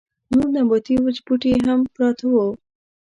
نور نباتي وچ بوټي يې هم پراته وو.